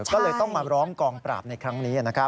ก็เลยต้องมาร้องกองปราบในครั้งนี้